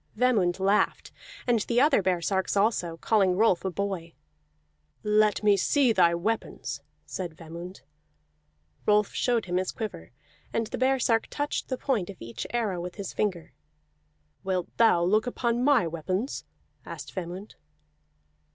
Vemund laughed, and the other baresarks also, calling Rolf a boy. "Let me see thy weapons," said Vemund. Rolf showed him his quiver, and the baresark touched the point of each arrow with his finger. "Wilt thou look upon my weapons?" asked Vemund.